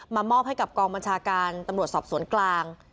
มอบให้กับกองบัญชาการตำรวจสอบสวนกลาง